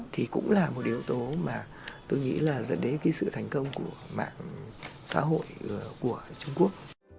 thì cũng là một yếu tố mà tôi nghĩ là dẫn đến cái sự thành công của mạng xã hội của trung quốc